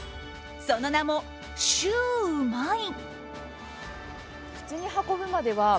その名も、シューうまい。